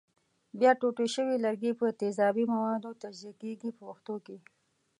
بیا ټوټې شوي لرګي په تیزابي موادو تجزیه کېږي په پښتو کې.